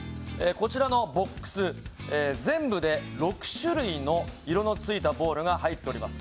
こちらのボックスに全部で６種類の色のついたボールが入っております。